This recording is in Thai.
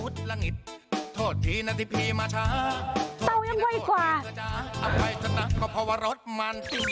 สวัสดีค่ะ